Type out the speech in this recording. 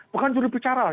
bukan juru bicara lah